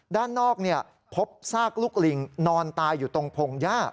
ด้านนอกพบซากลูกลิงนอนตายอยู่ตรงพงหญ้า